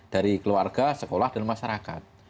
dari keluarga sekolah dan masyarakat